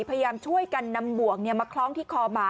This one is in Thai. พยายามช่วยกันนำบวกมาคล้องที่คอหมา